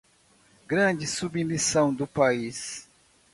grande submissão do país